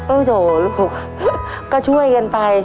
โอ้โหลูกก็ช่วยกันไป